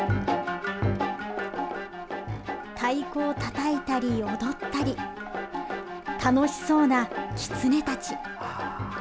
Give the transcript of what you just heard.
太鼓をたたいたり、踊ったり楽しそうなキツネたち。